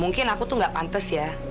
mungkin aku tuh gak pantes ya